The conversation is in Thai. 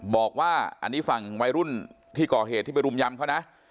บอกว่าอันนี้ฝั่งวัยรุ่นที่ก่อเหตุที่ไปรุมยำเขานะ